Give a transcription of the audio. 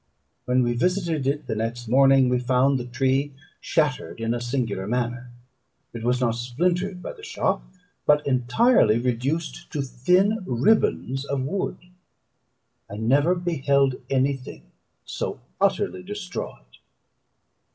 When we visited it the next morning, we found the tree shattered in a singular manner. It was not splintered by the shock, but entirely reduced to thin ribands of wood. I never beheld any thing so utterly destroyed.